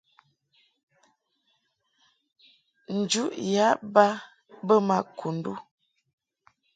Njuʼ yǎ ba bə ma Kundu.